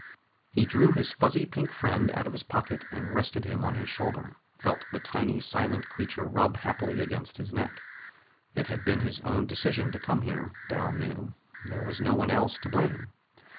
He drew his fuzzy pink friend out of his pocket and rested him on his shoulder, felt the tiny silent creature rub happily against his neck. It had been his own decision to come here, Dal knew; there was no one else to blame.